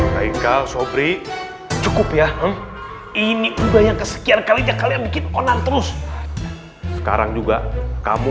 hai kau sobrini cukup ya ini udah yang kesekian kali jangkauan bikin onan terus sekarang juga kamu